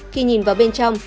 khi nhìn vào bên trong